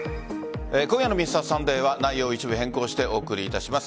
今夜の「Ｍｒ．サンデー」は内容を一部変更してお送りいたします。